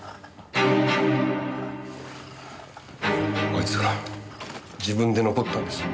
あいつが自分で残ったんです。